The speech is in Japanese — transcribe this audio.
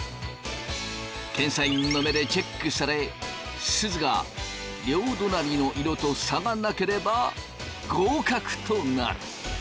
検査員の目でチェックされすずが両隣の色と差がなければ合格となる。